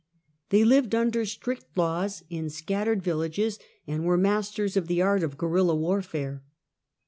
They lived under strict laws, in scattered villages, and were masters of the art of guerilla warfare.